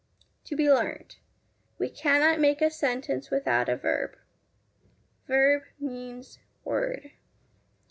To be learnt We cannot make a sentence without a verb. Verb means word.